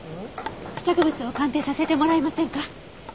付着物を鑑定させてもらえませんか？